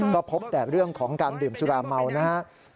ก็พบแต่เรื่องของการดื่มสุราเมานะครับ